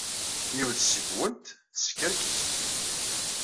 Yiwet seg-went teskerkis.